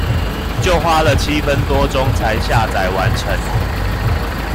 就花了七分多鐘才下載完成